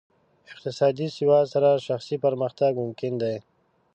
اقتصادي سواد سره شخصي پرمختګ ممکن دی.